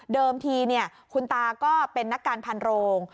ทีคุณตาก็เป็นนักการพันโรง